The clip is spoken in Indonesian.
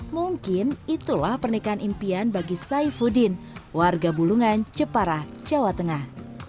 mungkin itulah pernikahan impian bagi saifuddin warga bulungan jepara jawa tengah